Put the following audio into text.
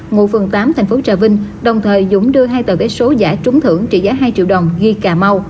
ngụ phường tám thành phố trà vinh đồng thời dũng đưa hai tờ vé số giả trúng thưởng trị giá hai triệu đồng ghi cà mau